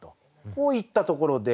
こういったところで。